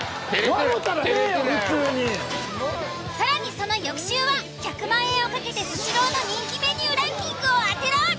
更にその翌週は１００万円を懸けて「スシロー」の人気メニューランキングを当てろ。